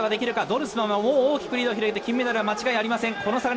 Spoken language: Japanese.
ドルスマンはもう大きくリードを広げて金メダルは間違いありません。